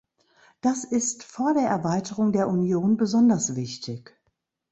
Das ist vor der Erweiterung der Union besonders wichtig.